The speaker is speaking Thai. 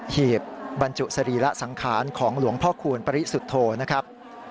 หีบบรรจุสรีระสังขารของหลวงพ่อคูณปริสุทธโธนะครับ